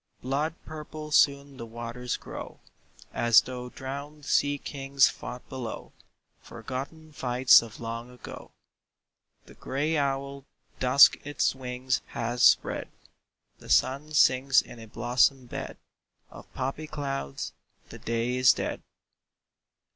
Blood purple soon the waters grow, As though drowned sea kings fought below Forgotten fights of long ago. The gray owl Dusk its wings has spread ; The sun sinks in a blossom bed Of poppy clouds ; the day is dead.